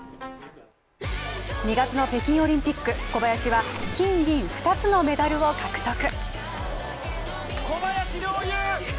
２月の北京オリンピック、小林は金、銀２つのメダルを獲得。